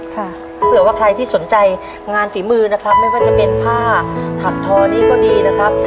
เผื่อว่าใครที่สนใจงานฝีมือนะครับไม่ว่าจะเป็นผ้าถักทอนี้ก็ดีนะครับ